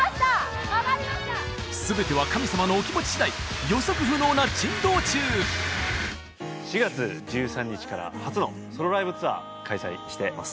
全ては神様のお気持ち次第予測不能な珍道中４月１３日から初のソロライブツアー開催してます